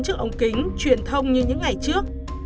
trước ống kính truyền thông như những ngày trước